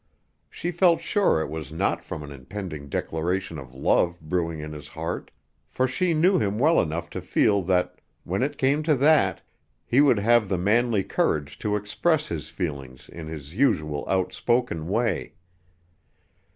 She felt sure it was not from an impending declaration of love brewing in his heart, for she knew him well enough to feel that when it came to that, he would have the manly courage to express his feelings in his usual outspoken way.